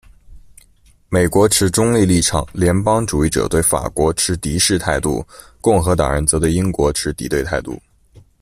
美国持中立立场，联邦主义者对法国持敌视态度，共和党人则对英国持敌对态度。